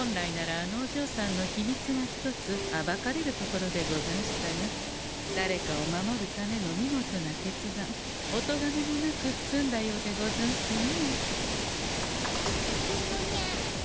あのおじょうさんの秘密が１つ暴かれるところでござんしたが誰かを守るための見事な決断おとがめもなく済んだようでござんすね。